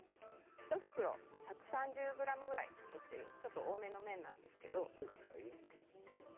１袋１３０ｇぐらい入っているちょっと多めの麺なんですけれど。